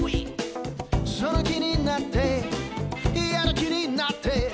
「その気になってやる気になって」